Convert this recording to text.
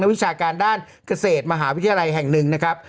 วิชาการด้านเกษตรมหาวิทยาลัยแห่งหนึ่งนะครับ